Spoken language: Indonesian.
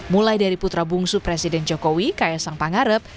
mulai dari putra bungsu presiden jokowi ks sang pangarep